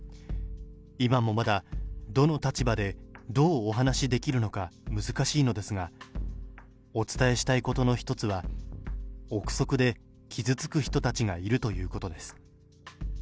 今もまだ、どの立場で、どうお話しできるのか難しいのですが、お伝えしたいことの一つは、臆測で傷つく人たちがいるということです。